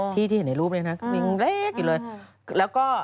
ที่ที่เห็นในรูปเนี่ยนะยังเล็กอยู่เลย